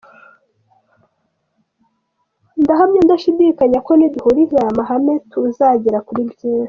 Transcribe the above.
Ndahamya ndashidikanya ko nidukurikiza aya mahame tuzagera kuri byinshi."